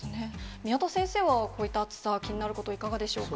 宮田先生は、こういった暑さ、気になること、いかがでしょうか。